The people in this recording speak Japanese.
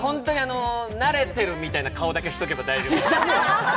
慣れてるみたいな顔だけしとけば大丈夫。